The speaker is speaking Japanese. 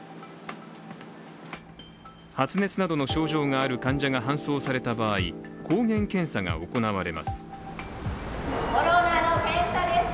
発熱などの症状がある患者が搬送された場合抗原検査が行われます。